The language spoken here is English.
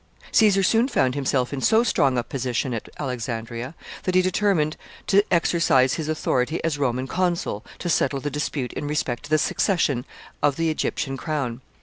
] Caesar soon found himself in so strong a position at Alexandria, that he determined to exercise his authority as Roman consul to settle the dispute in respect to the succession of the Egyptian crown.